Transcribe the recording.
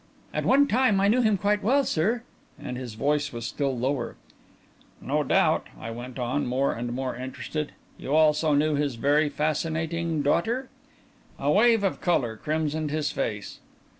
"At one time, I knew him quite well, sir," and his voice was still lower. "No doubt," I went on, more and more interested, "you also knew his very fascinating daughter." A wave of colour crimsoned his face.